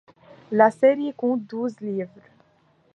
La série compte douze livres.